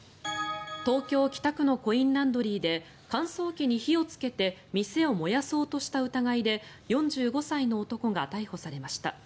東京・北区のコインランドリーで乾燥機に火をつけて店を燃やそうとした疑いで４５歳の男が逮捕されました。